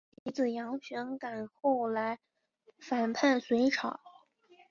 其子杨玄感后来反叛隋朝。